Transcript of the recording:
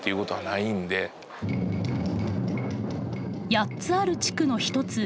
８つある地区の一つ